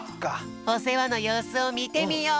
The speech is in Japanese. おせわのようすをみてみよう。